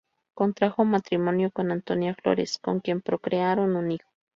Contrajo matrimonio con Antonia Flores, con quien procrearon un hijo.